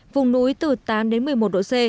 vùng núi từ tám đến một mươi một độ c